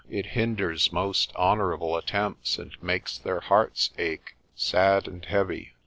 It hinders most honourable attempts, and makes their hearts ache, sad and heavy.